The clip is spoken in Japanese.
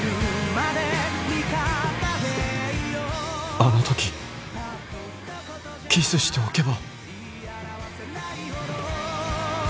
あの時キスしておけば